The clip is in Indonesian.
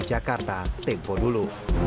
jakarta tempoh dulu